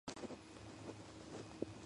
ამერიკელი მომღერლის ემილი ოსმენტი უფროსი ძმა.